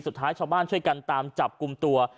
สุดท้ายชาวบ้านช่วยกันตามจับกลุ่มตัว